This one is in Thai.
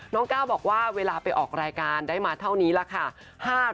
ก้าวบอกว่าเวลาไปออกรายการได้มาเท่านี้แหละค่ะ